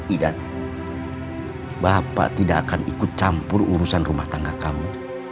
ida bapak tidak akan ikut campur urusan rumah tangga kamu